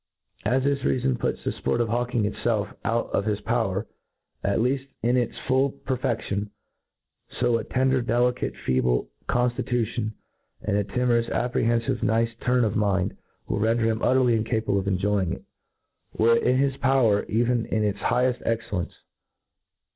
As this reafon puts the fp6rt of hawking itfclf out of his power, at Icaft in its full perfeftion j fo a tender, delicate, feeble conftitution, and a timorous, apprehenfive, nice (turn of mind, will render him utterly incapable of enjoying it, were it in his power, even in its higheft excellence.